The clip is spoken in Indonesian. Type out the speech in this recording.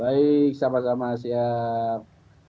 baik selamat selamat siang